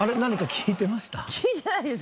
聞いてないですね。